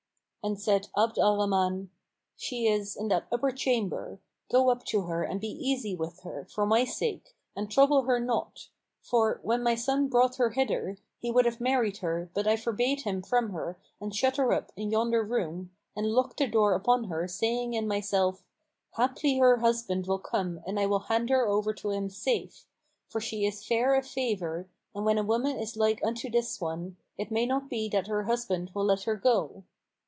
and said Abd al Rahman, "She is in that upper chamber, go up to her and be easy with her, for my sake, and trouble her not; for, when my son brought her hither, he would have married her, but I forbade him from her and shut her up in yonder room, and locked the door upon her saying in myself, 'Haply her husband will come and I will hand her over to him safe; for she is fair of favour, and when a woman is like unto this one, it may not be that her husband will let her go.'